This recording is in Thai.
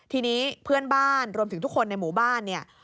ทีนี้เพื่อนบ้านรวมถึงทุกคนในหมู่บ้านเนี่ย